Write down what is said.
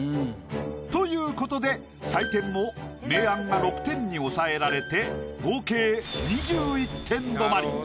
ということで採点も明暗が６点に抑えられて合計２１点止まり。